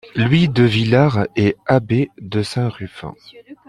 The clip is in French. Louis de Villars est abbé de Saint-Ruf.